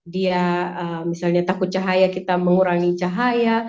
dia misalnya takut cahaya kita mengurangi cahaya